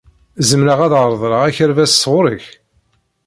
Zemreɣ ad reḍleɣ akerbas sɣur-k?